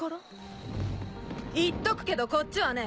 「言っとくけどこっちはね